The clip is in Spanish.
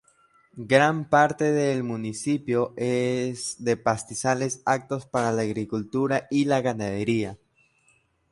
Gran parte del municipio es de pastizales aptos para la agricultura y la ganadería.